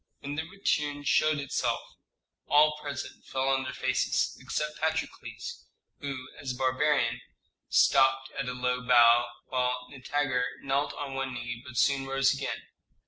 When the retinue showed itself, all present fell on their faces, except Patrokles, who, as a barbarian, stopped at a low bow, while Nitager knelt on one knee, but soon rose again.